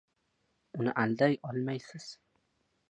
Uni alday olmaysiz.